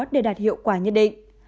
để đạt hiệu quả nhất định